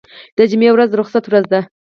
د جمعې ورځ د رخصتۍ ورځ ده.